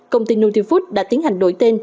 công ty nutifood đã tiến hành đổi tên